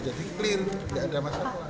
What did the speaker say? jadi clear gak ada masalah